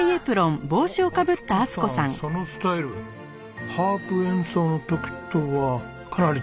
おっ充子さんそのスタイルハープ演奏の時とはかなり違う。